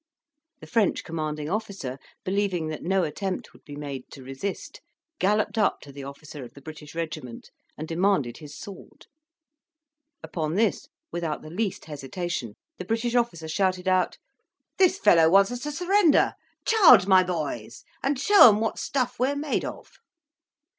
The French commanding officer, believing that no attempt would be made to resist, galloped up to the officer of the British regiment, and demanded his sword. Upon this, without the least hesitation, the British officer shouted out, "This fellow wants us to surrender: charge, my boys! and show them what stuff we are made of."